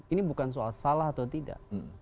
ini bukan soal salah atau tidak